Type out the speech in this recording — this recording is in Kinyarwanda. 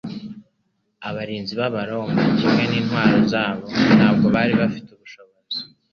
Abarinzi b'abaroma kimwe n'intwaro zabo ntabwo bari bafite ubushobozi